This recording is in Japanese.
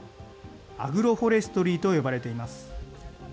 アグロフォレストリーと呼ばれています。